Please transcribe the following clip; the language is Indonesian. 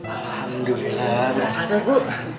alhamdulillah sudah sadar bu